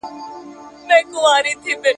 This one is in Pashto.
د پښتورګو تېږې د ژوند بڼې له امله رامنځته کېږي.